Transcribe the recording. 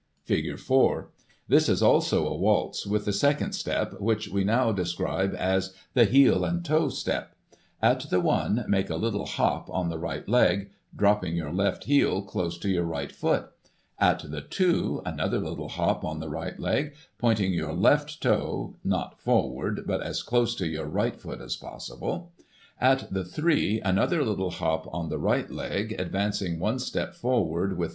Digitized by Google 1844] THE POLKA. 241 Figure 4. — This is also a waltz with the second step, which we will now describe as "the Heel and Toe step." At the one, make a little hop on the right leg, dropping your left heel close to your right foot ; at the two, another little hop on the right leg, pointing your left toe (not forward, but as close to your right foot as possible) ; at the three, another little hop on the right leg, advancing one step forward with The Drawing room Polka. — Figure 5.